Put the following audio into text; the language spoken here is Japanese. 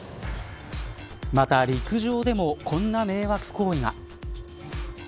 また陸上でもこんな迷惑行為が。